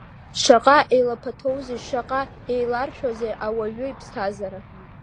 Шаҟа еилаԥаҭоузеи, шаҟа еиларшәузеи ауаҩы иԥсҭазаара!